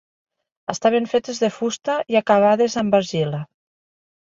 Estaven fetes de fusta i acabades amb argila.